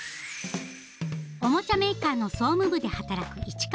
おもちゃメーカーの総務部で働く市川さん。